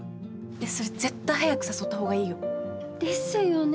それ絶対早く誘った方がいいよ。ですよね。